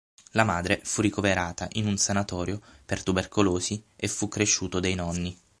La madre fu ricoverata in un sanatorio per tubercolosi e fu cresciuto dai nonni.